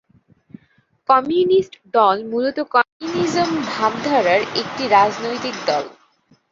Communist দল মূলত communism ভাবধারার একটি রাজনৈতিক দল।